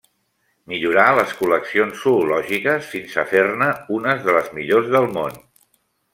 Millorà les col·leccions zoològiques fins a fer-ne unes de les millors del món.